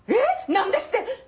何ですって！